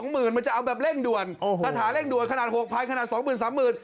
มันจะเอาแบบเร่งด่วนปรัฐาเร่งด่วนขนาดหัวพัยขนาด๒๐๐๐๐๓๐๐๐๐